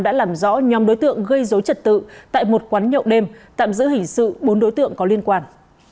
đã làm rõ nhóm đối tượng gây dối trật tự tại một quán nhậu đêm tạm giữ hình sự bốn đối tượng có liên quan